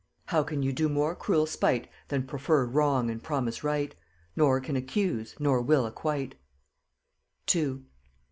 How can you do more cruel spite Than proffer wrong and promise right? Nor can accuse, nor will acquight. 2.